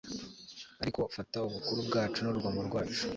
Ariko fata ubukuru bwacu nurugomo rwacu